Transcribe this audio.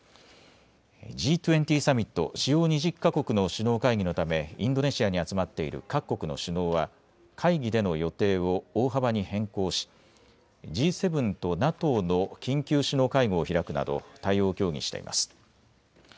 Ｇ２０サミット・主要２０か国の首脳会議のためインドネシアに集まっている各国の首脳は会議での予定を大幅に変更しＧ７とＮＡＴＯの緊急首脳会合を開くなど対応を協議しています。